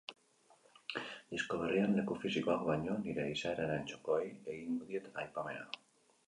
Disko berrian, leku fisikoak baino, nire izaeraren txokoei egingo diet aipamena.